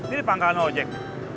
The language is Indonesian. ini pangkalan ojek